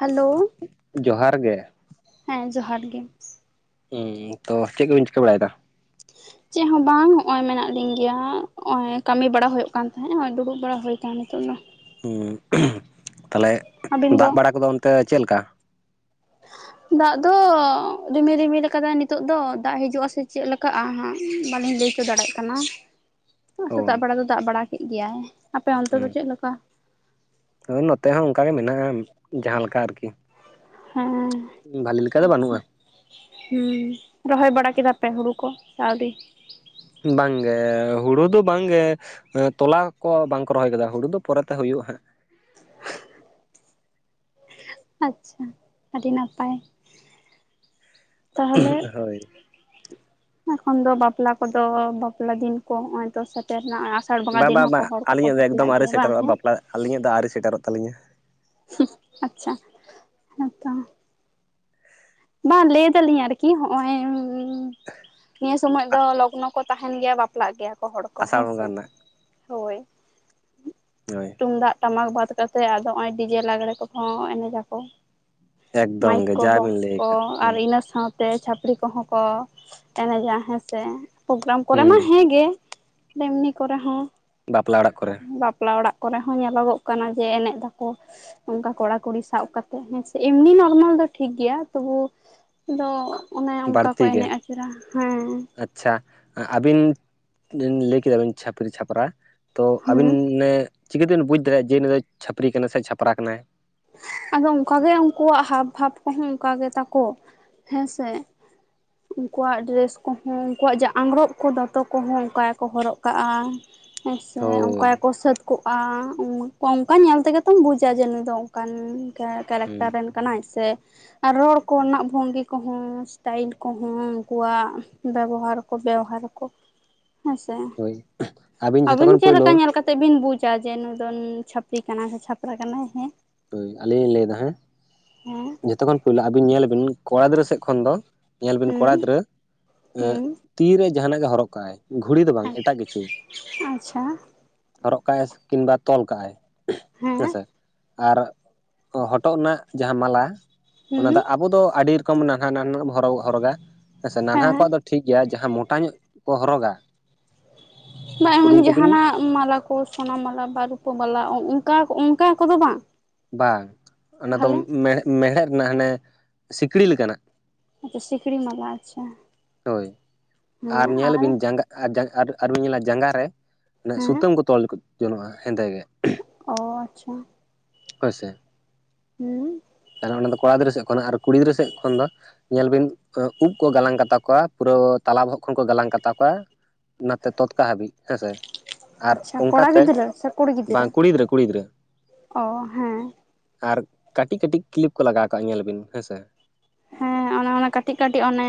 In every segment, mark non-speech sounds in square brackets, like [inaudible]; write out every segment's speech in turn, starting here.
Hello ᱡᱚᱦᱟᱨ ᱜᱮ ᱦᱮᱸ ᱡᱚᱦᱟᱨ ᱜᱮ ᱩᱸ ᱛᱚ ᱪᱮᱫ ᱠᱚᱵᱤᱱ ᱪᱤᱠᱟᱹ ᱵᱟᱲᱟᱭᱮᱫᱟ? ᱪᱮᱫ ᱦᱚᱸ ᱵᱟᱝ ᱦᱚᱜᱼᱚᱭ ᱢᱮᱱᱟᱜ ᱞᱤᱧ ᱜᱮᱭᱟ ᱚᱜᱼᱚᱭ ᱠᱟᱹᱢᱤ ᱵᱟᱲᱟ ᱦᱩᱭᱩᱜ ᱠᱟᱱ ᱛᱟᱦᱮᱸᱼᱟ ᱦᱚᱜᱼᱚᱭ ᱫᱩᱲᱩᱵ ᱵᱟᱲᱟ ᱦᱩᱭ ᱠᱟᱱ ᱱᱤᱛᱚᱜ ᱫᱚ ᱩᱸ [unintelligible] ᱛᱟᱦᱞᱮ ᱟᱹᱵᱤᱱ ᱫᱚ ᱫᱟᱜ ᱵᱟᱲᱟ ᱠᱚᱫᱚ ᱚᱱᱛᱮ ᱪᱮᱫ ᱞᱮᱠᱟ? ᱫᱟᱜ ᱫᱚ ᱨᱤᱢᱤᱞ ᱨᱤᱢᱤᱞ ᱟᱠᱟᱫᱟᱭ ᱱᱤᱛᱚᱜ ᱫᱚ ᱫᱟᱜ ᱦᱤᱡᱩᱜᱼᱟ ᱥᱮ ᱪᱮᱫ ᱞᱮᱠᱟᱜᱼᱟ ᱦᱟᱸᱜ ᱵᱟᱞᱤᱧ ᱞᱟᱹᱭ [unintelligible] ᱫᱟᱲᱮᱜ ᱠᱟᱱᱟ ᱥᱮᱛᱟᱜ ᱚ ᱵᱮᱲᱟ ᱫᱚ ᱫᱟᱜ ᱵᱟᱲᱟ ᱠᱮᱫ ᱜᱮᱭᱟᱭ ᱟᱯᱮ ᱚᱱᱛᱮ ᱫᱚ ᱪᱮᱫ ᱞᱮᱠᱟ ᱦᱳᱭ ᱱᱚᱛᱮ ᱦᱚᱸ ᱚᱱᱠᱟ ᱜᱮ ᱢᱮᱱᱟᱜᱼᱟ ᱡᱟᱦᱟᱸ ᱞᱮᱠᱟ ᱟᱨᱠᱤ ᱦᱮᱸ ᱵᱷᱟᱞᱤ ᱞᱮᱠᱟ ᱫᱚ ᱟᱪᱷᱟ ᱵᱟᱹᱱᱩᱜᱼᱟ ᱦᱩᱸ ᱨᱚᱦᱚᱭ ᱵᱟᱲᱟ ᱠᱮᱫᱟ ᱯᱮ ᱦᱩᱲᱩ ᱠᱚ ᱥᱮ ᱟᱣᱨᱤ? ᱵᱟᱝ ᱜᱮ ᱦᱩᱲᱩ ᱫᱚ ᱵᱟᱝ ᱜᱮ ᱟᱹ ᱛᱚᱞᱟ ᱠᱚ ᱵᱟᱝ ᱠᱚ ᱨᱚᱦᱚᱭ ᱠᱟᱫᱟ ᱦᱩᱲᱩ ᱫᱚ ᱯᱚᱨᱮᱛᱮ ᱦᱩᱭᱩᱜᱼᱟ ᱦᱟᱸᱜ ᱟᱪᱷᱟ ᱟᱹᱰᱤ ᱱᱟᱯᱟᱭ ᱛᱟᱦᱚᱞᱮ [unintelligible] ᱦᱳᱭ ᱮᱠᱷᱚᱱ ᱫᱚ ᱵᱟᱯᱞᱟ ᱠᱚᱫᱚ ᱵᱟᱯᱞᱟ ᱫᱤᱱ ᱠᱚ ᱦᱚᱜᱼᱚᱭ ᱛᱚ ᱥᱮᱴᱮᱨ ᱨᱮᱱᱟ ᱵᱟᱼᱵᱟᱼᱵᱟ ᱟᱹᱞᱤᱧᱟᱜ ᱫᱚ ᱮᱠᱫᱚᱢ ᱟᱹᱣᱨᱤ ᱥᱮᱴᱮᱨᱚᱜᱼᱟ ᱦᱮᱸ ᱵᱟᱯᱞᱟ ᱟᱹᱞᱤᱧᱟᱜ ᱫᱚ ᱟᱹᱣᱨᱤ ᱥᱮᱴᱮᱨᱚᱜ ᱛᱟᱹᱞᱤᱧᱟ ᱦᱩᱸᱟᱪᱷᱟ ᱦᱮᱸ ᱛᱚ ᱵᱟᱝ ᱞᱟᱹᱭ ᱫᱟᱞᱤᱧ ᱟᱨᱠᱤ ᱦᱚᱜ ᱚᱚᱭ ᱱᱤᱭᱟᱹ ᱥᱚᱢᱚᱭ ᱫᱚ ᱞᱚᱜᱱᱚ ᱠᱚ ᱛᱟᱦᱮᱱ ᱜᱮᱭᱟ ᱵᱟᱯ ᱞᱟᱜᱽ ᱜᱮᱭᱟ ᱠᱚ ᱦᱚᱲ ᱠᱚ ᱟᱥᱟᱲ ᱦᱮᱸ ᱥᱮ ᱵᱚᱸᱜᱟ ᱨᱮᱱᱟᱜ ᱦᱳᱭ ᱦᱳᱭ ᱛᱩᱢᱫᱟᱜ ᱴᱟᱢᱟᱠ ᱵᱟᱫ ᱠᱟᱛᱮᱫ ᱟᱫᱚ ᱚᱜᱼᱚᱭ ᱰᱤᱡᱮ ᱞᱟᱸᱜᱽᱲᱮ ᱠᱚᱦᱚᱸ ᱮᱱᱮᱡᱽ ᱟᱠᱚ ᱮᱠᱫᱚᱢ ᱢᱟᱭᱤᱠ ᱜᱮ ᱠᱚ ᱡᱟᱵᱤᱱ ᱵᱚᱠᱥ ᱞᱟᱹᱭ ᱟᱠᱟᱫ ᱚᱸ ᱟᱨ ᱦᱩᱸ ᱤᱱᱟᱹ ᱥᱟᱶᱛᱮ ᱪᱷᱟᱹᱯᱲᱤ ᱠᱚᱦᱚᱸ ᱠᱚ ᱮᱱᱮᱡᱟ ᱦᱮᱸᱥᱮ ᱯᱳᱜᱽᱨᱟᱢ ᱠᱚᱨᱮ ᱦᱩᱸ ᱢᱟ ᱦᱮᱸ ᱜᱮ ᱮᱢᱱᱤ ᱠᱚᱨᱮ ᱦᱚᱸ ᱵᱟᱯᱞᱟ ᱚᱲᱟᱜ ᱠᱚᱨᱮ ᱵᱟᱯᱞᱟ ᱚᱲᱟᱜ ᱠᱚᱨᱮ ᱦᱚᱸ ᱧᱮᱞᱚᱜᱚᱜ ᱠᱟᱱᱟ ᱡᱮ ᱮᱱᱮᱡᱽ ᱫᱟᱠᱚ ᱚᱱᱠᱟ ᱠᱚᱲᱟ ᱠᱩᱲᱤ ᱥᱟᱵ ᱠᱟᱛᱮᱜ ᱦᱮᱸᱥᱮ ᱮᱢᱱᱤ ᱱᱚᱨᱢᱟᱞ ᱫᱚ ᱴᱷᱤᱠ ᱜᱮᱭᱟ ᱛᱚᱵᱩ ᱫᱚ ᱚᱱᱮ ᱚᱱᱠᱟ ᱠᱚ ᱮᱱᱮᱡ ᱟᱹᱪᱩᱨᱟ ᱦᱮᱸ ᱟᱪᱷᱟ ᱟᱹᱵᱤᱱ ᱞᱟᱹᱭ ᱠᱮᱫᱟ ᱵᱮᱱ ᱪᱷᱟᱯᱨᱤ ᱪᱷᱟᱯᱨᱟ ᱛᱚ ᱦᱮᱸ ᱟᱵᱤᱱ ᱱᱮ ᱪᱤᱠᱟᱹ ᱛᱮᱵᱤᱱ ᱵᱩᱡᱽ ᱫᱟᱲᱮᱭᱟᱜᱼᱟ ᱡᱮ ᱱᱩᱭ ᱫᱚ ᱪᱷᱟᱹᱯᱨᱤ ᱠᱟᱱᱟᱭ ᱥᱮ ᱪᱷᱟᱯᱨᱟ ᱠᱟᱱᱟᱭ ᱟᱫᱚ ᱚᱱᱠᱟᱜᱮ ᱩᱱᱠᱩᱣᱟᱜ ᱦᱟᱵ ᱵᱷᱟᱵ ᱠᱚᱦᱚᱸ ᱚᱱᱠᱟ ᱜᱮ ᱛᱟᱠᱚ ᱦᱮᱸ ᱥᱮ ᱩᱱᱠᱩᱣᱟᱜ ᱰᱨᱮᱥ ᱠᱚᱦᱚᱸ ᱩᱱᱠᱩᱣᱟᱜ ᱡᱮ ᱟᱝᱜᱨᱚᱵ ᱠᱚ ᱫᱚᱛᱚ ᱠᱚᱦᱚᱸ ᱚᱱᱠᱟ ᱜᱮᱠᱚ ᱦᱚᱨᱚᱜ ᱠᱟᱜᱼᱟ ᱦᱮᱸ ᱥᱮ ᱚᱱᱠᱟ ᱦᱳᱭ ᱜᱮᱠᱚ ᱥᱟᱹᱛ ᱠᱚᱜᱼᱟ ᱚᱱᱠᱟ ᱧᱮᱞ ᱛᱮᱜᱮ ᱛᱚᱢ ᱵᱩᱡᱟ ᱡᱮ ᱱᱩᱭ ᱫᱚ ᱚᱱᱠᱟᱱ ᱠᱮᱨᱮᱠᱴᱟᱨ ᱦᱩᱸ ᱨᱮᱱ ᱠᱟᱱᱟᱭ ᱥᱮ ᱟᱨ ᱨᱚᱲ ᱠᱚ ᱨᱮᱱᱟᱜ ᱵᱷᱚᱝᱜᱤ ᱠᱚᱦᱚᱸ ᱥᱴᱟᱭᱤᱞ ᱠᱚᱦᱚᱸ ᱩᱱᱠᱩᱣᱟᱜ ᱵᱮᱵᱚᱦᱟᱨ ᱠᱚ ᱵᱮᱣᱦᱟᱨᱟᱠᱚ [unintelligible] ᱦᱳᱭ ᱟᱹᱵᱤᱱ ᱡᱷᱚᱛᱚ ᱠᱷᱚᱱ ᱯᱳᱭᱞᱩ ᱛᱮᱵᱤᱱ ᱵᱩᱡᱟ ᱡᱮ ᱱᱩᱭ ᱫᱚ ᱪᱷᱟᱹᱯᱨᱤ ᱠᱟᱱᱟᱭ ᱥᱮ ᱪᱷᱟᱯᱨᱟ ᱠᱟᱱᱟᱭ ᱦᱮᱸ? ᱳᱭ ᱟᱹᱞᱤᱧ ᱞᱤᱧ ᱞᱟᱹᱭ ᱫᱟ ᱦᱮᱸ, ᱦᱮᱸ ᱡᱷᱚᱛᱚ ᱠᱷᱚᱱ ᱯᱳᱭᱞᱳ ᱟᱹᱵᱤᱱ ᱧᱮᱞ ᱵᱤᱱ ᱠᱚᱲᱟ ᱜᱤᱫᱽᱨᱟᱹ ᱥᱮᱫ ᱠᱷᱚᱱ ᱫᱚ ᱧᱮᱞ ᱵᱤᱱ ᱠᱚᱲᱟ ᱦᱩᱸ ᱜᱤᱫᱽᱨᱟᱹ ᱦᱩᱸ ᱛᱤ ᱨᱮ ᱡᱟᱦᱟᱱᱟᱜ ᱜᱮ ᱦᱚᱨᱚᱜ ᱠᱟᱜᱼᱟᱭ ᱜᱷᱩᱲᱤ ᱫᱚ ᱵᱟᱝ ᱮᱴᱟᱜ ᱠᱤᱪᱷᱩ ᱟᱪᱪᱷᱟ ᱦᱚᱨᱚᱜ ᱠᱟᱜᱼᱟᱭ ᱠᱤᱢ ᱵᱟ ᱛᱚᱞ ᱠᱟᱜᱼᱟᱭ ᱦᱮᱸ ᱦᱮᱸᱥᱮ ᱟᱨ ᱦᱚᱴᱚᱜ ᱨᱮᱱᱟᱜ ᱡᱟᱦᱟᱸ ᱢᱟᱞᱟ ᱚᱱᱟ ᱫᱚ ᱦᱩᱸ ᱟᱵᱚ ᱫᱚ ᱟᱹᱰᱤ ᱠᱚᱢ ᱱᱟᱱᱟᱜ ᱱᱚᱜ ᱦᱚᱨᱚᱜᱟ ᱦᱮᱸ ᱥᱮ ᱱᱟᱱᱦᱟ ᱠᱚᱣᱟᱜ ᱫᱚ ᱴᱷᱤᱠ ᱜᱮᱭᱟ ᱡᱟᱦᱟᱸ ᱢᱚᱴᱟ ᱧᱚᱜ ᱠᱚ ᱦᱚᱨᱚᱜᱟ ᱵᱟ ᱩᱨᱩᱢ ᱮᱢᱚᱱ ᱠᱚᱵᱤᱱ ᱡᱟᱦᱟᱱᱟᱜ ᱢᱟᱞᱟ ᱠᱚ ᱥᱚᱱᱟ ᱢᱟᱞᱟ ᱵᱟ ᱨᱩᱯᱟᱹ ᱵᱟᱞᱟ ᱚᱱᱠᱟ ᱚᱱᱠᱟ ᱠᱚᱫᱚ ᱵᱟᱝ ᱵᱟᱝ ᱚᱱᱟ ᱫᱚ ᱛᱟᱦᱚᱞᱮ ᱢᱮᱲᱦᱮᱫ ᱢᱮᱲᱦᱮᱫ ᱨᱮᱱᱟᱜ ᱦᱟᱱᱮ ᱥᱤᱠᱲᱤ ᱞᱮᱠᱟᱱᱟᱜ ᱟᱪᱷᱟ ᱥᱤᱠᱲᱤ ᱢᱞᱟ ᱟᱪᱷᱟ ᱦᱳᱭ ᱟᱨ ᱧᱮᱞ ᱵᱤᱱ ᱡᱟᱸᱜᱟ ᱟᱨ ᱡᱟᱸᱜᱟ ᱟᱨ ᱟᱨ ᱵᱤᱱ ᱧᱮᱞᱟ ᱡᱟᱸᱜᱟ ᱨᱮ ᱱᱮ ᱦᱮᱸ ᱥᱩᱛᱟᱹᱢ ᱠᱚ ᱛᱚᱞ ᱠᱚ ᱡᱚᱱᱚᱜᱼᱟ ᱦᱮᱸᱫᱮ ᱜᱮ᱾ ᱚ ᱟᱪᱪᱷᱟ ᱦᱳᱭ ᱥᱮ? ᱦᱩᱸᱻᱩᱸ᱾ ᱛᱟᱦᱚᱞᱮ ᱚᱱᱟ ᱫᱚ ᱠᱚᱲᱟ ᱜᱤᱫᱽᱨᱟᱹ ᱥᱮᱫ ᱠᱷᱚᱱᱟᱜ ᱟᱨ ᱠᱩᱲᱤ ᱜᱤᱫᱽᱨᱟᱹ ᱥᱮᱫ ᱠᱷᱚᱱ ᱱᱟ ᱧᱮᱞ ᱵᱤᱱ ᱮᱸ ᱩᱵ ᱠᱚ ᱜᱟᱞᱟᱝ ᱠᱟᱛᱟ ᱠᱚᱣᱟ ᱯᱩᱨᱟᱹ ᱛᱟᱞᱟ ᱵᱚᱦᱚᱜ ᱠᱷᱚᱱ ᱠᱚ ᱜᱟᱞᱟᱝ ᱠᱟᱛᱟ ᱠᱚᱣᱟ᱾ ᱱᱟᱛᱮ ᱛᱚᱛᱠᱟ ᱦᱟᱹᱵᱤᱡ ᱦᱮᱸ ᱥᱮ? ᱟᱨ ᱟᱪᱪᱷᱟ ᱠᱚᱲᱟ ᱚᱝᱠᱟᱛᱮ ᱜᱤᱫᱽᱨᱟᱹ ᱥᱮ ᱠᱩᱲᱤ ᱵᱟᱝ ᱠᱩᱲᱤ ᱜᱤᱫᱽᱨᱟᱹ ᱠᱩᱲᱤ ᱜᱤᱫᱽᱨᱟᱹ ᱚ ᱦᱮᱸ ᱟᱨ ᱠᱟᱹᱴᱤᱡ ᱠᱟᱹᱴᱤᱡ ᱠᱞᱤᱯ ᱠᱚ ᱞᱟᱜᱟᱣ ᱠᱟᱜᱼᱟ ᱧᱮᱞ ᱵᱤᱱ ᱦᱮᱸᱥᱮ? ᱦᱮᱸ ᱚᱱᱮ ᱚᱱᱟ ᱠᱟᱹᱴᱤᱡ ᱠᱟᱹᱴᱤᱡ ᱚᱱᱮ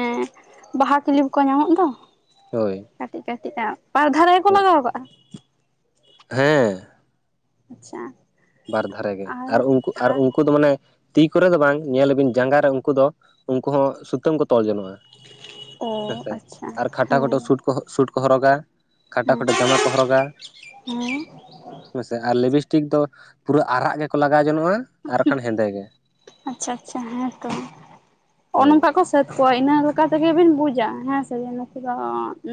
ᱵᱟᱦᱟ ᱠᱤᱞᱤᱯ ᱠᱚ ᱧᱟᱢᱚᱜ ᱫᱚ᱾ ᱦᱳᱭ᱾ ᱠᱟᱹᱴᱤᱡ ᱠᱟᱹᱴᱤᱡ ᱟᱜ ᱯᱟᱨ ᱫᱷᱟᱨᱮ ᱜᱮᱠᱚ ᱞᱟᱜᱟᱣ ᱠᱟᱜᱼᱟ᱾ ᱦᱮᱸ᱾ ᱟᱪᱪᱷᱟ ᱵᱟᱨ ᱫᱷᱟᱨᱮ ᱜᱮ ᱟᱨ ᱩᱝᱠᱩ ᱟᱨ ᱩᱝᱠᱩ ᱫᱚ ᱢᱟᱱᱮ ᱛᱤ ᱠᱚᱨᱮ ᱫᱚ ᱵᱟᱝ ᱧᱮᱞ ᱟᱹᱵᱤᱱ ᱡᱟᱸᱜᱟ ᱨᱮ ᱩᱝᱠᱩ ᱫᱚ ᱩᱝᱠᱩ ᱦᱚᱸ ᱥᱩᱛᱟᱹᱢ ᱠᱚ ᱛᱚᱞ ᱡᱚᱱᱚᱜᱼᱟ᱾ ᱚ ᱦᱮᱸᱥᱮ ᱟᱪᱪᱷᱟ ᱟᱨ ᱠᱷᱟᱴᱟ ᱠᱷᱚᱴᱚ ᱦᱮᱸ ᱥᱩᱸᱴ ᱠᱚ ᱥᱩᱸᱴ ᱠᱚ ᱦᱚᱨᱚᱜᱟ᱾ ᱠᱷᱟᱴᱚ ᱦᱮᱸ ᱠᱷᱟᱴᱚ ᱡᱟᱢᱟ ᱠᱚ ᱦᱚᱨᱚᱜᱟ᱾ ᱦᱮᱸ ᱦᱮᱸᱥᱮ ᱟᱨ ᱞᱮᱵᱤᱥᱴᱤᱠ ᱫᱚ ᱯᱩᱨᱟᱹ ᱟᱨᱟᱜ ᱜᱮᱠᱚ ᱞᱟᱜᱟᱣ ᱡᱚᱱᱚᱜᱼᱟ᱾ ᱟᱨ ᱚᱦᱩᱸ ᱵᱟᱠᱷᱟᱱ ᱦᱮᱸᱫᱮ ᱜᱮ ᱟᱪᱪᱷᱟ ᱟᱪᱪᱷᱟ ᱦᱮᱸᱛᱚ ᱦᱳᱭ ᱚᱱᱚᱝᱠᱟ ᱠᱚ ᱥᱟᱹᱛ ᱠᱚᱣᱟ ᱤᱱᱟᱹ ᱞᱮᱠᱟᱛᱮᱜᱮᱵᱤᱱ ᱵᱩᱡᱟ ᱦᱮᱸ ᱥᱮ ᱡᱮ ᱱᱩᱠᱩ ᱫᱚ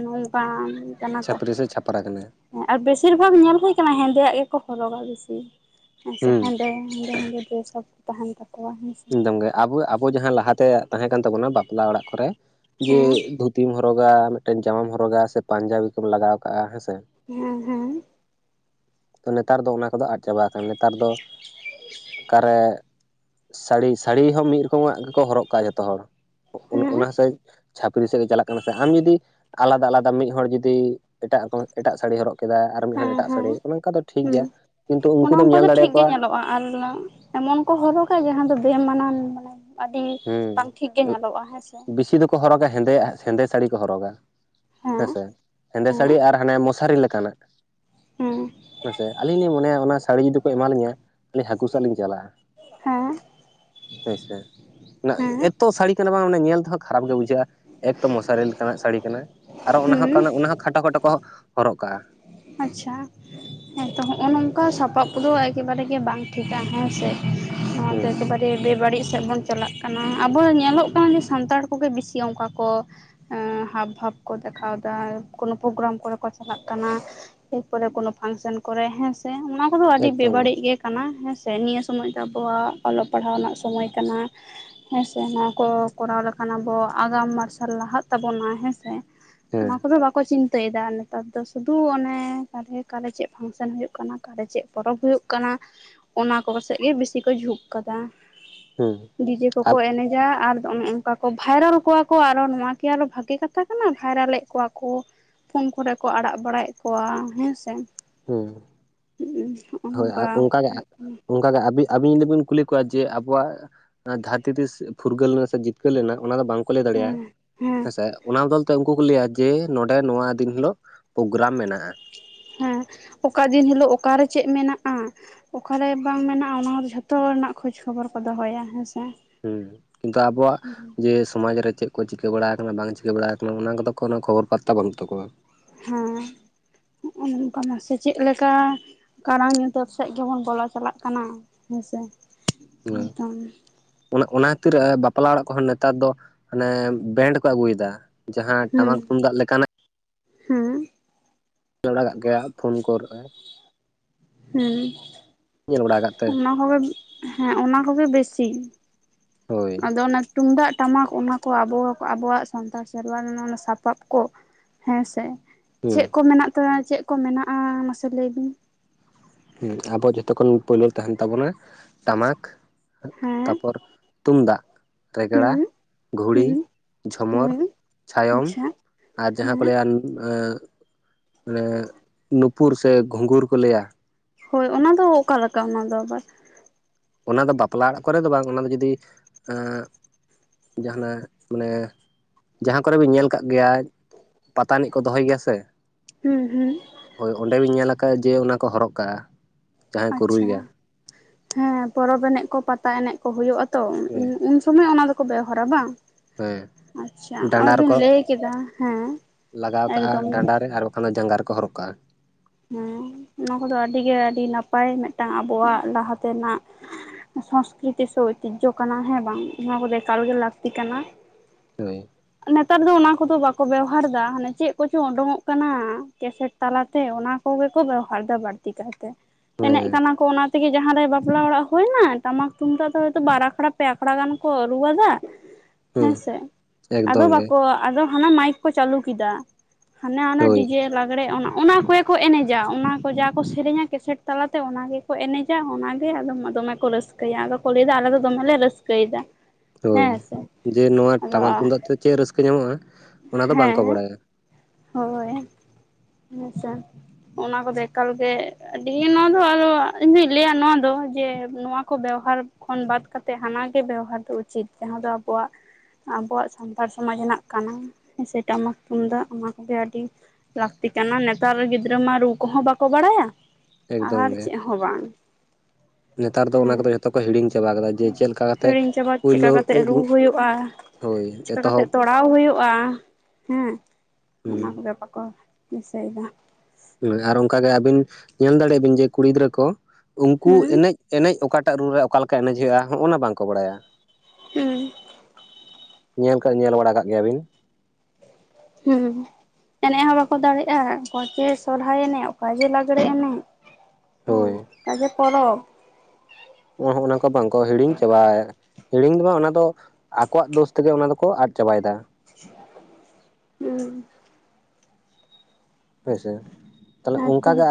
ᱱᱚᱝᱠᱟᱱ ᱪᱷᱟᱹᱯᱨᱤ ᱥᱮ ᱪᱷᱟᱯᱨᱟ ᱠᱟᱱᱟᱭ᱾ ᱦᱮᱸ ᱟᱨ ᱵᱮᱥᱤᱨ ᱵᱷᱟᱜᱽ ᱧᱮᱞ ᱦᱩᱭ ᱟᱠᱟᱱᱟ ᱦᱮᱸᱫᱮᱭᱟᱜ ᱜᱮᱠᱚ ᱦᱚᱨᱚᱜᱟ ᱵᱮᱥᱤ᱾ ᱦᱮᱸᱥᱮ ᱦᱩᱸ ᱦᱮᱸᱫᱮ ᱦᱮᱸᱫᱮ-ᱦᱮᱸᱫᱮ ᱰᱨᱮᱥ ᱦᱚᱸ ᱛᱟᱸᱦᱮᱱ ᱛᱟᱠᱚᱣᱟ᱾ ᱥᱮ ᱮᱠᱫᱚᱢ ᱜᱮ ᱟᱵᱚ ᱟᱵᱚ ᱡᱟᱦᱟᱸ ᱞᱟᱦᱟᱛᱮ ᱛᱟᱦᱮᱸ ᱠᱟᱱ ᱛᱟᱵᱚᱱᱟ ᱵᱟᱯᱞᱟ ᱚᱲᱟᱜ ᱠᱚᱨᱮ ᱡᱮ ᱦᱮᱸ ᱫᱷᱩ ᱛᱤᱢ ᱦᱚᱨᱚᱜᱟ ᱢᱤᱫᱴᱮᱱ ᱡᱟᱢᱟᱢ ᱦᱚᱨᱚᱜᱟ ᱥᱮ ᱯᱟᱧᱡᱟᱵᱤ ᱠᱚᱢ ᱞᱟᱜᱟᱣ ᱠᱟᱜᱼᱟ ᱦᱮᱸ ᱥᱮ? ᱦᱮᱸ ᱦᱮᱸ᱾ ᱛᱚ ᱱᱮᱛᱟᱨ ᱫᱚ ᱚᱱᱟ ᱠᱚᱫᱚ ᱟᱫ ᱪᱟᱵᱟ ᱟᱠᱟᱱᱟ ᱱᱮᱛᱟᱨ ᱫᱚ ᱚᱠᱟᱨᱮ ᱥᱟᱹᱲᱤ ᱥᱟᱹᱲᱤ ᱦᱚᱸ ᱢᱤᱜ ᱨᱚᱠᱚᱢᱟᱜ ᱜᱮᱠᱚ ᱦᱚᱨᱚᱜ ᱠᱟᱜᱼᱟ ᱡᱚᱛᱚ ᱦᱚᱲ ᱚᱱᱟ ᱦᱮᱸ ᱚᱱᱟ ᱥᱟᱹ ᱪᱷᱟᱹᱯᱮᱤ ᱥᱮᱜ ᱜᱮ ᱪᱟᱞᱟᱜ ᱠᱟᱱᱟ ᱥᱮ ᱟᱢ ᱡᱩᱫᱤ ᱟᱞᱟᱫᱟ ᱟᱞᱟᱫᱟ ᱢᱤᱜ ᱦᱚᱲ ᱡᱩᱫᱤ ᱮᱴᱟᱜ ᱠᱚᱸ ᱮᱴᱟᱜ ᱥᱟᱹᱲᱤ ᱦᱚᱨᱚᱜ ᱠᱮᱫᱟ ᱠᱟ ᱢᱤᱜ ᱦᱚᱲ ᱦᱮᱸ ᱮᱴᱟᱜ ᱦᱮᱸ ᱥᱟᱹᱲᱤ ᱚᱱᱮ ᱚᱝᱠᱟ ᱫᱚ ᱴᱷᱤᱠ ᱜᱮᱭᱟ ᱦᱮᱸ ᱠᱤᱱᱛᱩ ᱩᱱᱠᱩ ᱚᱱᱮ ᱫᱚᱢ ᱚᱱᱠᱟ ᱧᱮᱞ ᱫᱚ ᱫᱟᱲᱮᱭᱟᱠᱚᱣᱟ [unintelligible] ᱮᱢᱚᱱ ᱠᱚ ᱦᱚᱨᱚᱜᱟ ᱡᱟᱦᱟᱸ ᱫᱚ ᱵᱮ ᱢᱟᱱᱟᱱ ᱢᱟᱱᱮ ᱟᱹᱰᱤ ᱵᱟᱝ ᱦᱩᱸ ᱴᱷᱤᱠ ᱜᱮ ᱧᱮᱞᱚᱜᱼᱟ᱾ ᱦᱮᱸᱥᱮ? ᱵᱮᱥᱤ ᱫᱚᱠᱚ ᱦᱚᱨᱚᱜᱟ ᱦᱮᱸᱫᱮᱭᱟᱜ ᱦᱮᱸᱫᱮ ᱥᱟᱹᱲᱤ ᱠᱚ ᱦᱚᱨᱚᱜᱟ ᱦᱮᱸ ᱦᱮᱸᱥᱮ ᱦᱮᱸᱫᱮ ᱦᱮᱸ ᱥᱟᱹᱲᱤ ᱟᱨ ᱦᱟᱱᱮ ᱢᱚᱥ ᱥᱟᱹᱨᱤ ᱞᱮᱠᱟᱱᱟᱜ᱾ ᱦᱮᱸ ᱦᱮᱸᱥᱮ ᱟᱹᱞᱤᱧ ᱞᱤᱧ ᱢᱚᱱᱮᱭᱟ ᱚᱱᱟ ᱥᱟᱹᱲᱤ ᱡᱩᱫᱤ ᱠᱚ ᱮᱢᱟᱞᱤᱧᱟᱹ [unintelligible] ᱦᱟᱹᱠᱩ ᱥᱟᱵ ᱞᱤᱧ ᱪᱟᱞᱟᱜᱼᱟ᱾ ᱦᱮᱸ ᱦᱳᱭ ᱥᱮ᱾ ᱱᱟᱜ ᱦᱮᱸ ᱮᱛᱚ ᱥᱟᱹᱲᱤ ᱠᱟᱱᱟ ᱵᱟᱝ ᱧᱮᱞ ᱛᱮᱦᱚᱸ ᱠᱷᱟᱨᱟᱯ ᱜᱮ ᱵᱩᱡᱷᱟᱹᱜᱼᱟ, ᱮᱠᱛᱚ ᱢᱚᱥᱟᱨᱤ ᱞᱮᱠᱟᱱᱟᱜ ᱥᱟᱹᱲᱤ ᱠᱟᱱᱟ᱾ ᱟᱨ ᱦᱚᱸ ᱚᱱᱟ ᱦᱮᱸ ᱦᱚᱸ ᱠᱷᱟᱴᱚ ᱠᱷᱟᱴᱚ ᱠᱚ ᱦᱚᱨᱚᱜ ᱠᱟᱜᱼᱟ᱾ ᱟᱪᱪᱷᱟ ᱦᱮᱸ ᱛᱚ ᱦᱚᱸᱜᱼᱚ ᱱᱚᱝᱠᱟ ᱥᱟᱯᱟᱵ ᱠᱚᱫᱚ ᱮᱠᱮᱵᱟᱨᱮ ᱜᱮ ᱵᱟᱝ ᱴᱷᱤᱠᱟ᱾ ᱦᱮᱸ ᱥᱮ? ᱱᱚᱣᱟᱫᱚ ᱦᱮᱸ ᱮᱠᱮᱵᱟᱨᱮ ᱵᱮᱵᱟᱹᱲᱤᱡ ᱥᱮᱫ ᱵᱚᱱ ᱪᱟᱞᱟᱜ ᱠᱟᱱᱟ ᱟᱵᱚ ᱧᱮᱞᱚᱜ ᱠᱟᱱᱟ ᱡᱮ ᱥᱟᱱᱛᱟᱲ ᱠᱚᱜᱮ ᱵᱮᱥᱤ ᱚᱝᱠᱟ ᱠᱚ ᱦᱮᱸ ᱦᱟᱵ ᱵᱷᱟᱵ ᱠᱚ ᱫᱮᱠᱷᱟᱣ ᱫᱟ ᱠᱳᱱᱳ ᱯᱨᱳᱜᱨᱟᱢ ᱠᱚᱨᱮ ᱠᱚ ᱪᱟᱞᱟᱜ ᱠᱟᱱᱟ᱾ ᱮᱨ ᱯᱚᱨᱮ ᱠᱳᱱᱳ ᱯᱷᱟᱱᱥᱚᱱ ᱠᱚᱨᱮ ᱦᱮᱸᱥᱮ ᱚᱱᱟ ᱠᱚᱫᱚ ᱟᱹᱰᱤ ᱵᱮᱵᱟᱹᱲᱤᱡ ᱜᱮ ᱠᱟᱱᱟ ᱦᱮᱸ ᱥᱮ ᱱᱤᱭᱟᱹ ᱥᱚᱢᱚᱭ ᱫᱚ ᱟᱵᱚᱣᱟᱜ ᱚᱞᱚᱜ ᱯᱟᱲᱦᱟᱣ ᱨᱮᱱᱟᱜ ᱥᱚᱢᱚᱭ ᱠᱟᱱᱟ᱾ ᱦᱮᱸ ᱥᱮ ᱱᱚᱣᱟ ᱠᱚ ᱠᱚᱨᱟᱣ ᱞᱮᱠᱷᱟᱱ ᱟᱵᱚᱣᱟᱜ ᱟᱜᱟᱢ ᱢᱟᱨᱥᱟᱞ ᱞᱟᱦᱟᱜ ᱛᱟᱵᱚᱱᱟ᱾ ᱦᱮᱸᱥᱮ? ᱚᱱᱟ ᱦᱮᱸ ᱠᱚᱫᱚ ᱵᱟᱠᱚ ᱪᱤᱱᱛᱟᱹᱭᱮᱫᱟ ᱱᱮᱛᱟᱨ ᱫᱚ ᱥᱩᱫᱩ ᱚᱱᱮ ᱛᱟᱞᱦᱮ ᱚᱠᱟᱨᱮ ᱪᱮᱜ ᱯᱷᱟᱱᱥᱟᱱ ᱦᱩᱭᱩᱜ ᱠᱟᱱᱟ ᱚᱠᱟᱨᱮ ᱪᱮᱜ ᱯᱚᱨᱚᱵᱽ ᱦᱩᱭᱩᱜ ᱠᱟᱱᱟ ᱚᱱᱟ ᱠᱚ ᱥᱮᱡ ᱜᱮ ᱵᱮᱥᱤ ᱠᱚ ᱡᱷᱩᱸᱠ ᱠᱟᱫᱟ᱾ ᱦᱩᱸ ᱰᱤᱡᱮ ᱠᱚᱠᱚ ᱮᱱᱮᱡᱟ, ᱟᱨ ᱱᱚᱜ ᱱᱚᱝᱠᱟ ᱠᱚ ᱵᱷᱟᱭᱨᱟᱞ ᱠᱚᱣᱟ ᱠᱚ, ᱟᱨᱚ ᱱᱚᱣᱟ ᱜᱮ ᱟᱨᱚ ᱵᱷᱟᱜᱮ ᱠᱟᱛᱷᱟ ᱠᱟᱱᱟ ᱵᱷᱟᱭᱨᱟ ᱞᱮᱫ ᱠᱚᱣᱟ ᱠᱚ ᱯᱷᱳᱱ ᱠᱚᱨᱮ ᱠᱚ ᱟᱲᱟᱜ ᱵᱟᱲᱟᱭᱮᱫ ᱠᱚᱣᱟ ᱦᱮᱸ ᱥᱮ᱾ ᱦᱩᱸ᱾ [unintelligible] ᱦᱳᱭ ᱟᱨ ᱚᱱᱠᱟᱜᱮ ᱦᱩᱭᱩᱜ ᱠᱟᱱᱟ ᱚᱱᱠᱟᱜᱮ ᱟᱹᱵᱤᱱᱵᱤᱱ ᱠᱩᱞᱤ ᱠᱚᱣᱟ ᱡᱮ ᱟᱵᱚᱣᱟᱜ ᱫᱟᱹᱨᱛᱤ ᱛᱤᱥ ᱯᱷᱩᱨᱜᱟᱹᱞ ᱞᱮᱱᱟ ᱥᱮ ᱡᱤᱛᱠᱟᱹᱨ ᱞᱮᱱᱟ ᱚᱱᱟ ᱫᱚ ᱵᱟᱝᱠᱚ ᱞᱟᱹᱭ ᱦᱮᱸ ᱫᱟᱲᱮᱭᱟᱜᱼᱟ᱾ ᱦᱮᱸ ᱦᱮᱸᱥᱮ ᱚᱱᱟ ᱵᱚᱫᱚᱞ ᱛᱮ ᱩᱱᱠᱩ ᱠᱚ ᱞᱟᱹᱭᱟ ᱡᱮ ᱱᱚᱸᱰᱮ ᱱᱚᱣᱟ ᱫᱤᱱ ᱦᱤᱞᱳᱜ ᱯᱨᱳᱜᱨᱟᱢ ᱢᱮᱱᱟᱜᱼᱟ᱾ ᱦᱮᱸ ᱚᱠᱟ ᱫᱤᱱ ᱦᱤᱞᱳᱜ ᱚᱠᱟᱨᱮ ᱪᱮᱫ ᱢᱮᱱᱟᱜᱼᱟ᱾ ᱚᱠᱟᱨᱮ ᱵᱟᱝ ᱢᱮᱱᱟᱜᱼᱟ, ᱚᱱᱟ ᱡᱷᱚᱛᱚ ᱨᱮᱱᱟᱜ ᱠᱷᱚᱡᱽ ᱠᱷᱚᱵᱚᱨ ᱠᱚ ᱫᱚᱦᱚᱭᱟ ᱦᱮᱸᱥᱮ᱾ ᱦᱮᱸ ᱠᱤᱱᱛᱩ ᱟᱵᱚᱣᱟᱜ ᱡᱮ ᱥᱚᱢᱟᱡ ᱨᱮ ᱪᱮᱫ ᱠᱚ ᱪᱤᱠᱟᱹ ᱵᱟᱲ ᱟᱠᱟᱱᱟ ᱵᱟᱝ ᱪᱤᱠᱟᱹ ᱵᱟᱲᱟ ᱟᱠᱟᱱᱟ ᱚᱱᱟ ᱠᱚᱫᱚ ᱠᱚ ᱠᱷᱚᱵᱚᱨ ᱯᱟᱛᱛᱟ ᱵᱟᱹᱱᱩᱜ ᱛᱟᱠᱚᱣᱟ᱾ ᱦᱮᱸ ᱦᱚᱜ ᱱᱚᱝᱠᱟ ᱢᱟᱥᱮ ᱪᱮᱫ ᱞᱮᱠᱟ ᱠᱟᱨᱟᱝ ᱧᱩᱛᱟᱹᱵ ᱥᱮᱫ ᱜᱮᱵᱚᱱ ᱵᱚᱞᱚ ᱪᱟᱞᱟᱜ ᱠᱟᱱᱟ ᱦᱮᱸᱥᱮ? [unintelligible] ᱮᱠᱫᱚᱢ ᱚᱱᱟ ᱚᱱᱟ ᱠᱷᱟᱹᱛᱤᱨ ᱵᱟᱯᱞᱟ ᱚᱲᱟᱜ ᱠᱚᱦᱚᱸ ᱱᱮᱛᱟᱨ ᱫᱚ ᱢᱟᱱᱮ ᱵᱮᱱᱰ ᱠᱚ ᱟᱹᱜᱩᱭ ᱫᱟ᱾ ᱡᱟᱦᱟᱸ ᱦᱮᱸ ᱴᱟᱢᱟᱠ ᱛᱩᱢᱫᱟᱜ ᱞᱮᱠᱟᱱᱟᱜ ᱦᱮᱸ ᱡᱚᱲᱟ ᱠᱟᱜ ᱜᱮᱭᱟ ᱯᱷᱳᱱ [unintelligible] ᱠᱚᱨᱚᱜᱼ ᱦᱮᱸ ᱧᱮᱞ ᱵᱟᱲᱟ ᱠᱟᱜ ᱛᱮ ᱚᱱᱟ ᱠᱚᱜᱮ ᱦᱮᱸ ᱚᱱᱟ ᱠᱚᱜᱮ ᱵᱮᱥᱤ᱾ ᱦᱳᱭ᱾ ᱟᱫᱚ ᱚᱱᱟ ᱛᱩᱢᱫᱟᱜ ᱴᱟᱢᱟᱠ ᱚᱱᱟ ᱠᱚ ᱟᱚ ᱟᱵᱚᱣᱟᱜ ᱥᱟᱱᱛᱟᱲ ᱥᱮᱨᱣᱟ ᱨᱮᱱᱟᱜ ᱥᱟᱯᱟᱵ ᱠᱚ, ᱦᱮᱸᱥᱮ ᱪᱮᱫ ᱦᱩᱸ ᱠᱚ ᱢᱮᱱᱟᱜ ᱛᱟ ᱪᱮᱫ ᱠᱚ ᱢᱮᱱᱟᱜᱼᱟ ᱢᱟᱥᱮ ᱞᱟᱹᱭ ᱵᱤᱱ? ᱦᱩᱸ ᱟᱵᱚᱣᱟᱜ ᱡᱚᱛᱚ ᱠᱷᱚᱱ ᱯᱳᱭᱞᱳ ᱛᱟᱦᱮᱱ ᱛᱟᱵᱚᱱᱟ ᱴᱟᱢᱟᱠ ᱦᱮᱸ ᱛᱟᱯᱚᱨ ᱛᱩᱢᱫᱟᱜ, ᱨᱮᱜᱽᱲᱟ, ᱦᱩᱸ ᱜᱷᱩᱲᱤ ᱦᱩᱸ ᱡᱷᱚᱢᱚᱨ, ᱦᱩᱸ ᱪᱷᱟᱭᱚᱢ ᱟᱪᱪᱷᱟ᱾ ᱟᱨ ᱡᱟᱦᱟᱸ ᱠᱚ ᱦᱮᱸ ᱞᱟᱹᱭᱟ ᱟᱸᱜ ᱚᱱᱮ ᱱᱩᱯᱩᱨ ᱥᱮ ᱜᱷᱩᱸᱜᱩᱨ ᱠᱚ ᱞᱟᱹᱭᱟ᱾ ᱦᱳᱭ ᱚᱱᱟᱫᱚ ᱚᱠᱟ ᱞᱮᱠᱟ ᱚᱱᱟ ᱫᱚ ᱟᱵᱟᱨ? ᱚᱱᱟ ᱫᱚ ᱵᱟᱯᱞᱟ ᱚᱲᱟᱜ ᱠᱚᱨᱮ ᱫᱚ ᱵᱟᱝ ᱚᱱᱟ ᱫᱚ ᱡᱩᱫᱤ ᱮᱸᱜ ᱡᱟᱦᱟᱱᱟᱜ ᱢᱟᱱᱮ ᱡᱟᱦᱟᱸ ᱠᱚᱨᱮ ᱵᱤᱱ ᱧᱮᱞ ᱠᱟᱜ ᱜᱮᱭᱟ ᱯᱟᱛᱟ ᱮᱱᱤᱡ ᱠᱚ ᱫᱚᱦᱚᱭ ᱜᱮᱭᱟ ᱥᱮ ᱦᱩᱸ ᱦᱩᱸ᱾ ᱦᱳᱭ ᱚᱸᱰᱮ ᱵᱤᱱ ᱧᱮᱞ ᱟᱠᱟᱫᱼᱟ ᱡᱮ ᱚᱱᱟ ᱠᱚ ᱦᱚᱨᱚᱜ ᱠᱟᱜᱼᱟ᱾ ᱡᱟᱦᱟᱸᱭ ᱠᱚ ᱟᱪᱪᱷᱟ ᱨᱩᱭᱟ ᱦᱮᱸ ᱯᱚᱨᱚᱵᱽ ᱮᱱᱮᱡ ᱠᱚ ᱯᱟᱛᱟ ᱮᱱᱮᱡ ᱠᱚ ᱦᱩᱭᱩᱜᱼᱟ᱾ ᱛᱚ ᱦᱳᱭ ᱩᱱ ᱥᱚᱢᱚᱭ ᱚᱱᱟ ᱫᱚᱠᱚ ᱵᱮᱣᱦᱟᱨᱟ ᱵᱟᱝ? ᱦᱮᱸ ᱟᱪᱪᱷᱟ ᱱᱚᱜᱼᱚᱭ ᱰᱟᱸᱰᱟ ᱵᱤᱱ ᱨᱮᱠᱚ ᱞᱟᱹᱭ ᱠᱮᱫᱟ ᱦᱮᱸ ᱮᱠᱫᱚᱢ᱾ ᱚᱱᱟ ᱡᱟᱸᱜᱟ ᱨᱮᱠᱚ ᱦᱚᱨᱚᱜ ᱠᱟᱜᱼᱟ᱾ ᱦᱮᱸ ᱚᱱᱟ ᱠᱚᱫᱚ ᱟᱹᱰᱤᱜᱮ ᱟᱹᱰᱤ ᱱᱟᱯᱟᱭ ᱢᱤᱫᱴᱟᱝ ᱟᱵᱚᱣᱟᱜ ᱞᱟᱦᱟ ᱛᱮᱱᱟᱜ ᱥᱚᱝᱥᱠᱨᱤᱛᱤ ᱥᱮ ᱪᱮᱫ ᱳᱭᱛᱤᱡᱡᱷᱚ ᱠᱟᱱᱟ ᱦᱮᱸ ᱵᱟᱝ ᱚᱱᱟ ᱠᱚᱫᱚ ᱮᱠᱟᱞ ᱜᱮ ᱞᱟᱹᱠᱛᱤ ᱠᱟᱱᱟ᱾ ᱦᱳᱭ ᱱᱮᱛᱟᱨ ᱫᱚ ᱚᱱᱟ ᱠᱚᱫᱚ ᱵᱟᱠᱚ ᱠᱚ ᱵᱮᱣᱦᱟᱨ ᱫᱟ ᱦᱟᱱᱮ ᱪᱮᱫ ᱠᱚᱪᱚᱝ ᱚᱰᱩᱠᱚᱜ ᱠᱟᱱᱟ ᱠᱮᱥᱮᱴ ᱛᱟᱞᱟᱛᱮ ᱚᱱᱟ ᱟᱠᱚ ᱜᱮᱠᱚ ᱵᱮᱵᱦᱟᱨ ᱮᱫᱟ ᱵᱟᱹᱲᱛᱤ ᱠᱟᱭᱛᱮ᱾ ᱮᱱᱮᱡ ᱦᱮᱸ ᱠᱟᱱᱟ ᱠᱚ ᱚᱱᱟ ᱛᱮᱜᱮ ᱡᱟᱦᱟᱸᱨᱮ ᱵᱟᱯᱞᱟ ᱚᱲᱟᱜ ᱦᱩᱭᱱᱟ, ᱴᱟᱢᱟᱠ ᱛᱩᱢᱫᱟᱜ ᱫᱚ ᱦᱚᱛᱚ ᱵᱟᱨ ᱟᱠᱷᱲᱟ ᱯᱮ ᱟᱠᱷᱲᱟ ᱜᱟᱱ ᱠᱚ ᱨᱩ ᱟᱹᱫᱟᱟ, ᱥᱮ [inaudible] ᱦᱮᱸ ᱥᱮ, ᱟᱫᱚ ᱮᱠᱫᱚᱢ ᱜᱮ ᱵᱟᱠᱚ ᱟᱫᱚ ᱦᱟᱱᱟ ᱢᱟᱭᱤᱠ ᱠᱚ ᱪᱟᱹᱞᱩ ᱠᱮᱫᱟ ᱦᱟᱱᱮ ᱦᱟᱱᱟ ᱦᱳᱭ ᱰᱤᱡᱮ ᱞᱟᱜᱽᱲᱮ ᱚᱱᱟ ᱠᱚ ᱠᱚ ᱮᱱᱮᱡᱟ ᱚᱱᱟ ᱠᱚ ᱡᱟ ᱠᱚ ᱥᱮᱨᱮᱧᱟ ᱠᱮᱥᱮᱴ ᱛᱟᱞᱟᱛᱮ ᱚᱱᱟ ᱜᱮᱠᱚ ᱮᱱᱮᱡᱟ ᱚᱱᱟᱜ ᱜᱮ ᱟᱫᱚᱢ ᱫᱚᱢᱮ ᱠᱚ ᱨᱟᱹᱥ [unintelligible] ᱞᱟᱹᱭ ᱮᱫᱟ ᱟᱞᱮ ᱫᱚ ᱫᱚᱢᱮ ᱨᱮ ᱨᱟᱹᱥᱠᱟᱹᱭ ᱮᱫᱟ᱾ ᱦᱳᱭ ᱡᱮ ᱱᱚᱣᱟ ᱴᱟᱢᱟᱠ ᱟᱫᱚ ᱛᱩᱢᱫᱟᱜ ᱛᱮ ᱪᱮᱫ ᱨᱟᱹᱥᱠᱟᱹ ᱧᱟᱢᱚᱜᱼᱟ ᱚᱱᱟ ᱫᱚ ᱵᱟᱝᱠᱚ ᱦᱮᱸ ᱵᱟᱲᱟᱭᱟ ᱦᱳᱭ ᱦᱮᱸ ᱥᱮ ᱚᱱᱟ ᱠᱚ ᱮᱠᱟᱞ ᱜᱮ ᱟᱹᱰᱤ ᱱᱚᱣᱟ ᱫᱚ ᱟᱫᱚ ᱤᱧᱫᱚ ᱞᱟᱹᱭᱟ ᱱᱚᱣᱟ ᱫᱚ ᱡᱮ ᱱᱚᱣᱟ ᱠᱚ ᱵᱮᱣᱦᱟᱨ ᱠᱷᱚᱱ ᱵᱟᱛ ᱠᱟᱛᱮᱫ ᱦᱟᱱᱟ ᱜᱮ ᱵᱮᱵᱚᱦᱟᱨ ᱫᱚ ᱩᱪᱤᱛ ᱡᱟᱦᱟᱸ ᱫᱚ ᱟᱵᱚᱣᱟᱜ ᱟᱵᱚᱣᱟᱜ ᱥᱟᱱᱛᱟᱲ ᱥᱚᱢᱟᱡᱽ ᱨᱮᱱᱟᱜ ᱠᱟᱱᱟᱸ ᱥᱮ ᱴᱟᱜᱟᱢᱟᱠ ᱛᱩᱢᱫᱟᱜ ᱚᱱᱟ ᱜᱮ ᱟᱹᱰᱤ ᱞᱟᱹᱠᱛᱤ ᱠᱟᱱᱟ ᱱᱮᱛᱟᱨ ᱜᱤᱫᱽᱨᱟᱹ ᱢᱟ ᱨᱩ ᱠᱚᱦᱚᱸ ᱵᱟᱠᱚ ᱵᱟᱲᱟᱭᱟ ᱮᱠᱫᱚᱢ ᱟᱨ ᱜᱮ ᱪᱮᱫ ᱦᱚᱸ ᱵᱟᱝ ᱱᱮᱛᱟᱨ ᱫᱚ ᱚᱸ ᱚᱱᱟ ᱠᱚᱫᱚ ᱡᱷᱚᱛᱚ ᱠᱚ ᱦᱤᱲᱤᱧ ᱪᱟᱵᱟ ᱠᱟᱫᱟ ᱡᱮ ᱪᱮᱫ ᱞᱮᱠᱟ ᱠᱟᱛᱮᱜ ᱦᱤᱲᱤᱧ ᱪᱟᱵᱟ ᱪᱤᱠᱟᱹ ᱯᱳᱭᱞᱳ ᱠᱟᱛᱮ ᱨᱩ ᱦᱩᱭᱩᱜᱼᱟ? ᱦᱳᱭ ᱪᱮᱠᱟᱹ ᱠᱟᱛᱮ ᱮᱛᱚᱦᱚᱵ ᱛᱚᱲᱟᱣ ᱦᱩᱭᱩᱜᱼᱟ ᱦᱮᱸ? ᱚᱱᱟ ᱠᱚᱜᱮ ᱵᱟᱠᱚ ᱫᱤᱥᱟᱹᱭᱮᱫᱟ ᱦᱮᱸ ᱟᱨ ᱚᱱᱠᱟᱜᱮ ᱟᱹᱵᱤᱱ ᱧᱮᱞ ᱫᱟᱲᱮᱭᱟᱜ ᱵᱤᱱ ᱡᱮ ᱠᱩᱲᱤ ᱜᱤᱫᱽᱨᱟᱹ ᱠᱚ ᱩᱱᱠᱩ ᱦᱩᱸ ᱮᱱᱮᱡ ᱮᱱᱮᱡ ᱚᱠᱟᱴᱟᱜ ᱨᱩ ᱨᱮ ᱚᱠᱟ ᱞᱮᱠᱟ ᱮᱱᱮᱡ ᱦᱩᱭᱩᱜᱼᱟ ᱦᱚᱜᱼᱚᱱᱟ ᱵᱟᱝᱠᱚ ᱵᱟᱲᱟᱭᱟ ᱦᱩᱸ ᱧᱮᱞ ᱠᱟ ᱧᱮᱞ ᱵᱟᱲᱟ ᱠᱟᱜ ᱜᱮᱭᱟᱵᱤᱱ ᱦᱮᱸ ᱮᱱᱮᱡ ᱦᱚᱸ ᱵᱟᱠᱚ ᱫᱟᱲᱮᱭᱟᱜᱼᱟ ᱚᱠᱚᱭ ᱪᱮ ᱥᱚᱨᱚᱦᱟᱭ ᱮᱱᱮᱡ ᱚᱠᱟ ᱡᱮ ᱞᱟᱜᱽᱲᱮ ᱮᱱᱮᱡ ᱦᱮᱸ ᱦᱳᱭ ᱟᱜᱮ ᱯᱚᱨᱚᱵ [unintelligible] ᱱᱚᱝᱠᱟ ᱵᱟᱝᱠᱚ ᱦᱤᱲᱤᱧ ᱪᱟᱵᱟᱭ ᱦᱤᱲᱤᱧ ᱫᱚ ᱵᱟᱝ ᱚᱱᱟ ᱫᱚ ᱟᱠᱚᱣᱟᱜ ᱫᱳᱥ ᱛᱮᱜᱮ ᱚᱱᱟ ᱫᱚᱠᱚ ᱟᱫ ᱪᱟᱵᱟᱭ ᱫᱟ [inaudible] ᱦᱩᱸ ᱦᱮᱸᱥᱮ ᱛᱟᱦᱞᱮ ᱚᱱᱠᱟ ᱦᱮᱸᱛᱚ ᱜᱮ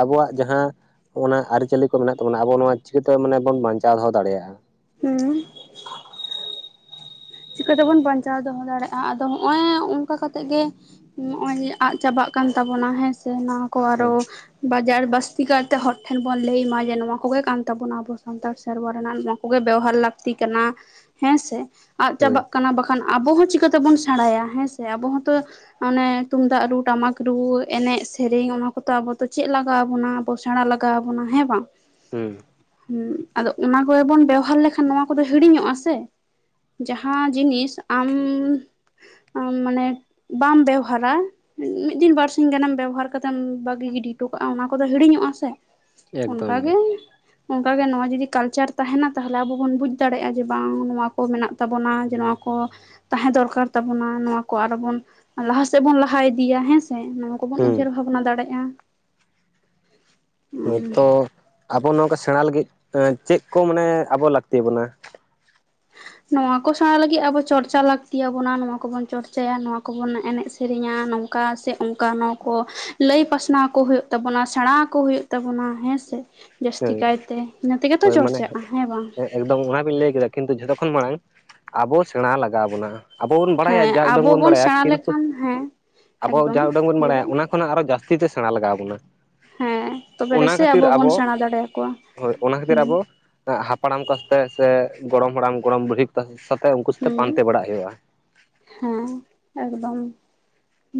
ᱟᱵᱚᱣᱟᱜ ᱡᱟᱦᱟᱸ ᱦᱚᱸᱱᱟ ᱟᱹᱨᱤᱪᱟᱹᱞᱤ ᱠᱚ ᱢᱮᱱᱟᱜ ᱛᱟᱵᱚᱱᱟ ᱟᱵᱚ ᱱᱚᱣᱟ ᱪᱤᱠᱟᱹᱛᱮ ᱢᱟᱱᱮ ᱵᱚᱱ ᱵᱟᱧᱪᱟᱣ ᱫᱚᱦᱚ ᱫᱟᱲᱮᱭᱟᱜᱼᱟ ᱦᱩᱸ ᱪᱤᱠᱟᱹᱛᱮᱵᱚᱱ ᱵᱟᱧᱪᱟᱣ ᱫᱚᱦᱚ ᱫᱟᱲᱮᱭᱟᱜᱼᱟ ᱟᱫᱚ ᱦᱚᱸᱜᱼᱚᱭ ᱚᱱᱠᱟ ᱠᱟᱛᱮᱫ ᱜᱮ ᱱᱚᱜᱼᱚᱭ ᱡᱮ ᱟᱫ ᱪᱟᱵᱟᱜ ᱠᱟᱱ ᱛᱟᱵᱚᱱᱟ ᱦᱮᱸ ᱥᱮ ᱱᱚᱶᱟ ᱠᱚ ᱟᱨᱚ ᱦᱳᱭ ᱵᱟᱡᱟᱨ ᱵᱟᱥᱛᱤ ᱠᱟᱭᱛᱮ ᱦᱚᱲᱴᱷᱮᱱ ᱵᱚᱱ ᱞᱟᱹᱭ ᱢᱟ ᱡᱮ ᱱᱚᱶᱟ ᱠᱚᱜᱮ ᱠᱟᱱ ᱛᱟᱵᱚᱱᱟ ᱟᱵᱚ ᱥᱟᱱᱛᱟᱲ ᱥᱮᱨᱣᱟ ᱨᱮᱱᱟᱜ ᱱᱚᱶᱟ ᱠᱚᱜᱮ ᱵᱮᱣᱦᱟᱨ ᱞᱟᱹᱠᱛᱤ ᱠᱟᱱᱟ ᱦᱮᱸ ᱥᱮ ᱟᱫ ᱦᱳᱭ ᱪᱟᱵᱟᱜ ᱠᱟᱱᱟ ᱵᱟᱠᱷ ᱠᱷᱟᱱ ᱟᱵᱚᱦᱚᱸ ᱪᱤᱠᱟᱹᱛᱮᱵᱚᱱ ᱥᱮᱬᱟᱭᱟ ᱦᱮᱸ ᱥᱮ ᱟᱵᱚ ᱦᱚᱸᱛᱚ ᱚᱱᱮ ᱛᱩᱢᱫᱟᱜ ᱨᱩ ᱴᱟᱢᱟᱠ ᱨᱩ ᱮᱱᱮᱡ ᱥᱮᱨᱮᱧ ᱚᱱᱟ ᱠᱚᱫᱚ ᱟᱵᱚ ᱫᱚ ᱪᱮᱫ ᱞᱟᱜᱟᱣ ᱟᱵᱚᱱᱟ ᱵᱚ ᱥᱮᱬᱟ ᱞᱟᱜᱟᱣ ᱟᱵᱚᱱᱟ ᱦᱮᱸ ᱵᱟᱝ ᱦᱩᱸ ᱦᱸ ᱟᱫᱚ ᱚᱱᱟ ᱠᱚᱨᱮ ᱵᱚᱱ ᱵᱮᱣᱦᱟᱨ ᱞᱮᱠᱷᱟᱱ ᱱᱚᱣᱟ ᱠᱚᱫᱚ ᱦᱤᱲᱤᱧᱚᱜᱼᱟ ᱥᱮ ᱡᱟᱦᱟᱸ ᱡᱤᱱᱤᱥ ᱟᱢ ᱢᱟᱱᱮ ᱵᱟᱢ ᱵᱮᱣᱦᱟᱨᱟ ᱢᱤᱫ ᱫᱤᱱ ᱵᱟᱨᱥᱸᱤᱝ ᱜᱟᱱᱮᱢ ᱵᱮᱵᱚᱦᱟᱨ ᱠᱟᱛᱮᱢ ᱵᱷᱟᱹᱜᱤ ᱜᱤᱰᱤ ᱦᱚᱴᱚ ᱠᱟᱜᱼᱟ ᱚᱱᱟ ᱠᱚᱫᱚ ᱦᱤᱲᱤᱧᱚᱜᱼᱟ ᱥᱮ ᱚᱱᱠᱟ ᱜᱮ ᱚᱱᱠᱟ ᱜᱮ ᱱᱚᱶᱟ ᱡᱩᱫᱤ ᱠᱟᱞᱪᱟᱨ ᱛᱟᱦᱮᱱᱟ ᱛᱟᱦᱚᱞᱮ ᱟᱵᱚ ᱵᱚᱱ ᱵᱩᱡᱽ ᱫᱟᱲᱮᱭᱟᱜᱼᱟ ᱡᱮ ᱵᱟᱝ ᱱᱚᱶᱟ ᱠᱚ ᱢᱮᱱᱟᱜ ᱛᱟᱵᱚᱱᱟ ᱡᱮ ᱱᱚᱣᱟ ᱠᱚ ᱛᱟᱦᱮᱸ ᱫᱚᱨᱠᱟᱨ ᱛᱟᱵᱚᱱᱟ ᱱᱚᱶᱟ ᱠᱚ ᱟᱨᱚ ᱵᱚᱱ ᱞᱟᱦᱟ ᱥᱮᱫ ᱵᱚᱱ ᱞᱟᱦᱟ ᱤᱫᱤᱭᱟ ᱦᱮᱸ ᱥᱮ ᱱᱚᱶᱟ ᱠᱚᱵᱚᱱ ᱦᱩᱸ ᱩᱭᱦᱟᱹᱨ ᱵᱷᱟᱵᱱᱟ ᱫᱟᱲᱮᱭᱟᱜᱼᱟ ᱛᱚ ᱟᱵᱚ ᱱᱚᱝᱠᱟ ᱥᱮᱬᱟ ᱞᱟᱹᱜᱤᱫ ᱪᱮᱫ ᱠᱚ ᱢᱟᱱᱮ ᱟᱵᱚ ᱞᱟᱹᱠᱛᱤ ᱵᱚᱱᱟ ᱱᱚᱶᱟ ᱠᱚ ᱥᱮᱬᱟ ᱞᱟᱹᱜᱤᱫ ᱟᱵᱚ ᱪᱚᱨᱪᱟ ᱞᱟᱹᱠᱛᱤᱭᱟᱵᱚᱱᱟ ᱱᱚᱶᱟ ᱠᱚᱵᱩᱱ ᱪᱚᱨᱪᱟᱭᱟ ᱱᱚᱶᱟ ᱠᱚᱵᱚᱱ ᱮᱱᱮᱡ ᱥᱮᱨᱮᱧᱟ ᱱᱚ ᱚᱠᱟ ᱥᱮ ᱚᱱᱠᱟ ᱱᱚᱣᱟ ᱠᱚ ᱞᱟᱹᱭ ᱯᱟᱥᱱᱟᱣ ᱠᱚ ᱦᱩᱭᱩᱜ ᱛᱟᱵᱚᱱᱟ ᱥᱮᱬᱟᱣ ᱟᱠᱚ ᱦᱩᱭᱩᱜ ᱛᱟᱵᱚᱱᱟ ᱦᱮᱸ ᱥᱮ ᱡᱟᱹᱥᱛᱤ ᱦᱳᱭ ᱠᱟᱭᱛᱮ ᱤᱱᱟᱹ ᱛᱮᱜᱮ ᱛᱚ ᱦᱳᱭ ᱢᱟᱱᱮ ᱪᱚᱨᱪᱟᱜᱼᱟ ᱦᱮᱸ ᱵᱟᱝ ᱮᱠᱫᱚᱢ ᱚᱱᱟ ᱵᱤᱱ ᱞᱟᱹᱭ ᱠᱮᱫᱟ ᱠᱤᱱᱛᱩ ᱡᱷᱚᱛᱚ ᱠᱷᱚᱱ ᱢᱟᱲᱟᱝ ᱟᱵᱚ ᱥᱮᱬᱟ ᱞᱟᱜᱟᱣ ᱵᱚᱱᱟ᱾ ᱟᱵᱚ ᱵᱚᱱ ᱵᱟᱲᱟᱭᱟ ᱦᱮᱸ ᱡᱟ ᱩᱰᱟᱹᱝ ᱟᱵᱚ ᱵᱚᱱ ᱵᱟᱲᱟᱭᱟ ᱥᱮᱬᱟ ᱠᱤᱱᱛᱩ ᱞᱮᱠᱷᱟᱱ ᱦᱮᱸ ᱟᱵᱚ ᱮᱠᱫᱚᱢ ᱡᱟ ᱩᱰᱟᱹᱝ ᱵᱚᱱ ᱞᱟᱹᱭ ᱵᱟᱲᱟᱭᱟ ᱵᱮᱱ ᱚᱱᱟ ᱠᱷᱚᱱᱟᱜ ᱟᱨᱚ ᱡᱟᱹᱥᱛᱤᱛᱮ ᱥᱮᱬᱟ ᱞᱟᱜᱟᱣ ᱟᱵᱚᱱᱟ ᱦᱮᱸ ᱛᱚᱵᱮ ᱨᱮᱥᱮ ᱟᱵᱚ ᱵᱚᱱ ᱥᱮᱬᱟ ᱫᱟᱲᱮᱭᱟᱠᱚᱣᱟ ᱦᱳᱭ ᱚᱱᱟ ᱠᱷᱟᱹᱛᱤᱨ ᱦᱩᱸ ᱟᱵᱚ ᱦᱟᱯᱟᱲᱟᱢ ᱠᱟᱛᱮ ᱥᱮ ᱜᱚᱲᱚᱢ ᱦᱟᱲᱟᱢ ᱜᱚᱲᱚᱢ ᱵᱩᱲᱦᱤ ᱥᱟᱛᱮ ᱩᱱᱠᱩ ᱥᱟᱛᱮᱜ ᱦᱩᱸ ᱯᱟᱱᱛᱮ ᱵᱟᱲᱟᱜ ᱦᱩᱭᱩᱜᱼᱟ ᱦᱮᱸ ᱮᱠᱫᱚᱢ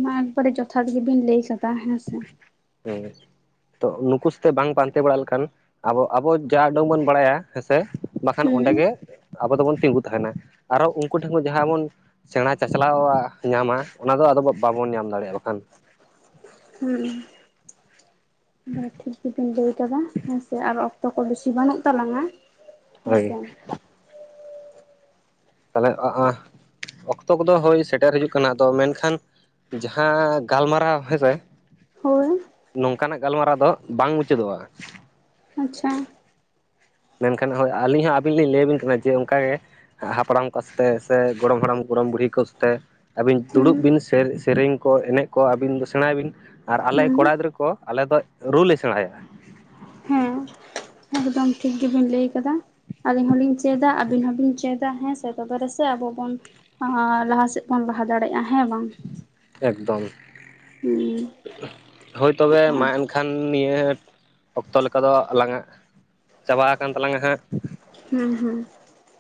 ᱢᱟ ᱮᱠᱵᱟᱨᱮ ᱡᱚᱛᱷᱟᱛ ᱜᱮᱵᱤᱱ ᱞᱟᱹᱭ ᱠᱟᱫᱟ ᱦᱮᱸᱥᱮ [unintelligible] ᱛᱚ ᱱᱩᱠᱩ ᱥᱟᱛᱮ ᱵᱟᱝ ᱯᱟᱱᱛᱮ ᱵᱟᱲᱟ ᱞᱮᱠᱷᱟᱱ ᱟᱵᱚ ᱟᱵᱚ ᱡᱟ ᱩᱰᱟᱹᱝ ᱵᱚᱱ ᱵᱟᱲᱟᱭᱟ ᱦᱮᱸᱥᱮ, ᱵᱟᱠᱷᱟᱱ ᱦᱩᱸ ᱚᱸᱰᱮ ᱜᱮ ᱟᱵᱚ ᱫᱚ ᱵᱚᱱ ᱛᱤᱸᱜᱩ ᱛᱟᱦᱮᱱᱟ ᱟᱨ ᱦᱚᱸ ᱩᱱᱠᱩ ᱴᱷᱮᱱ ᱡᱟᱦᱟᱸ ᱵᱚᱱ ᱥᱮᱬᱟ ᱪᱟᱪᱞᱟᱣ-ᱟᱜ ᱧᱟᱢᱟ ᱚᱱᱟ ᱫᱚ ᱟᱫᱚ ᱵᱟᱵᱚᱱ ᱧᱟᱢ ᱫᱟᱲᱮᱭᱟᱜᱼᱟ ᱵᱟᱠᱷᱟᱱ᱾ ᱦᱩᱸ ᱵᱟ ᱴᱷᱤᱠ ᱜᱮᱵᱤᱱ ᱞᱟᱹᱭ ᱠᱟᱫᱟ ᱦᱮᱸ ᱥᱮ ᱟᱨ ᱚᱠᱛᱚ ᱠᱚ ᱵᱮᱥᱤ ᱵᱟᱹᱱᱩᱜ ᱛᱟᱞᱟᱝᱼᱟ ᱦᱳᱭ ᱛᱟᱦᱚᱞᱮ ᱚᱜ ᱚ ᱚᱠᱛᱚ ᱠᱚᱫᱚ ᱦᱳᱭ ᱥᱮᱴᱮᱨ ᱦᱤᱡᱩᱜ ᱠᱟᱱᱟ ᱟᱫᱚ ᱢᱮᱱᱠᱷᱟᱱ ᱡᱟᱦᱟᱸ ᱜᱟᱞᱢᱟᱨᱟᱣ ᱦᱮᱸ ᱥᱮ ᱦᱳᱭ, ᱱᱚᱝᱠᱟ ᱱᱟᱜ ᱜᱟᱞ ᱢᱟᱨᱟᱣ ᱫᱚ ᱵᱟᱝ ᱢᱩᱪᱟᱹᱫ ᱚᱜᱼᱟ ᱟᱪᱪᱷᱟ ᱢᱮᱱᱠᱷᱟᱱ ᱦᱳᱭ ᱟᱹᱞᱤᱧ ᱦᱚᱸ ᱟᱹᱵᱤᱱ ᱞᱤᱧ ᱞᱟᱹᱭᱟᱵᱤᱱ ᱠᱟᱱᱟ ᱡᱮ ᱚᱱᱠᱟ ᱜᱮ ᱦᱟᱯᱲᱟᱢ ᱠᱚ ᱥᱟᱛᱮᱜ ᱥᱮ ᱜᱚᱲᱚᱢ ᱦᱟᱲᱟᱢ ᱜᱚᱲᱚᱢ ᱵᱩᱲᱦᱤ ᱠᱚ ᱥᱟᱛᱮ ᱟᱹᱵᱤᱱ ᱦᱩᱸ ᱫᱩᱲᱩᱵ ᱵᱤᱱ ᱥᱮᱨᱮᱧ ᱠᱚ ᱮᱱᱮᱡ ᱠᱚ ᱟᱹᱵᱤᱱ ᱫᱚ ᱥᱮᱬᱟᱭ ᱵᱤᱱ ᱟᱨ ᱟᱞᱮ ᱦᱩᱸ ᱠᱚᱲᱟ ᱜᱤᱫᱽᱨᱟᱹ ᱠᱚ, ᱟᱞᱮ ᱫᱚ ᱨᱩ ᱞᱮ ᱥᱮᱬᱟᱭᱟ᱾ ᱦᱮᱸ ᱮᱠᱫᱚᱢ ᱴᱷᱤᱠ ᱜᱮᱵᱤᱱ ᱞᱟᱹᱭ ᱠᱟᱫᱟ᱾ ᱟᱹᱞᱤᱧ ᱦᱚᱞᱤᱧ ᱪᱮᱫᱟ ᱟᱹᱵᱤᱱ ᱦᱚᱸ ᱵᱤᱱ ᱪᱮᱫᱟ ᱦᱮᱸ ᱥᱮ ᱛᱚᱵ ᱨᱮ ᱥᱮᱫ ᱟᱵᱚ ᱵᱚᱱ ᱚ ᱞᱟᱦᱟ ᱥᱮᱫ ᱵᱚᱱ ᱞᱟᱦᱟ ᱫᱟᱲᱜᱼᱟ ᱦᱮᱸ ᱵᱟᱝ? ᱮᱠᱫᱚᱢ ᱦᱩᱸ᱾ ᱦᱳᱭ ᱛᱚᱵᱮ ᱟᱨ ᱢᱟ ᱮᱱᱠᱷᱟᱱ ᱱᱤᱭᱟᱹ ᱚᱠᱛᱚ ᱞᱮᱠᱟ ᱫᱚ ᱟᱞᱟᱝ ᱟᱜ ᱪᱟᱵᱟ ᱠᱟᱱ ᱛᱟᱞᱟᱝ ᱟ ᱦᱟᱸᱜ, ᱦᱩᱸ ᱦᱩᱸ,